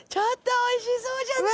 おいしそうじゃない！